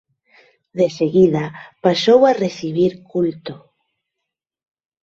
Deseguida pasou a recibir culto.